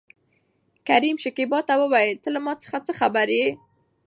کريم شکيبا ته وويل ته له ما څخه څه خبره يې؟